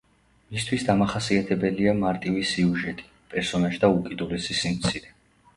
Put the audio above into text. მისთვის დამახასიათებელია მარტივი სიუჟეტი, პერსონაჟთა უკიდურესი სიმცირე.